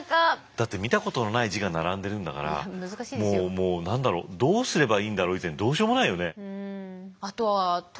だって見たことのない字が並んでるんだからもうもう何だろうどうすればいいんだろう以前にどうしようもないよね？